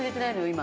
今。